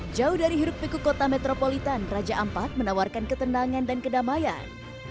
jauh dari hirup piku kota metropolitan raja ampat menawarkan ketendangan dan kedamaian